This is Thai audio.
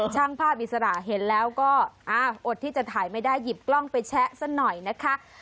ช่างภาพอิสระเห็นแล้วก็อดที่จะถ่ายไม่ได้หยิบกล้องไปแชะซะหน่อยนะคะ